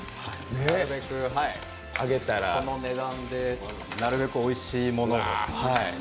なるべく、この値段でおいしいものを。